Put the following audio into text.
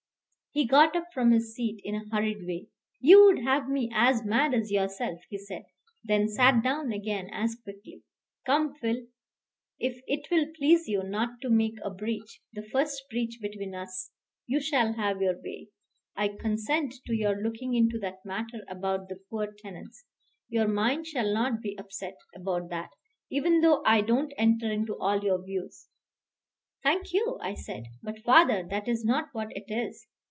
He got up from his seat in a hurried way. "You would have me as mad as yourself," he said, then sat down again as quickly. "Come, Phil: if it will please you, not to make a breach, the first breach between us, you shall have your way. I consent to your looking into that matter about the poor tenants. Your mind shall not be upset about that, even though I don't enter into all your views." "Thank you," I said; "but, father, that is not what it is."